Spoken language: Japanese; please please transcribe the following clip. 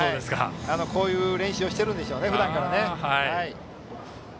こういう練習をしているんでしょうねふだんから。